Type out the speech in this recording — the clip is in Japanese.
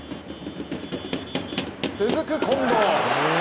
続く近藤。